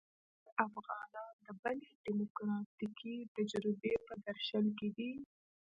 اوس چې افغانان د بلې ډيموکراتيکې تجربې په درشل کې دي.